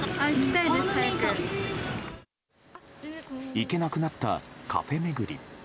行けなくなったカフェ巡り。